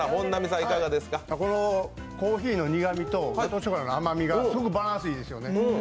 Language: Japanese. このコーヒーの苦みとガトーショコラの甘みがすごくバランスいいですよね。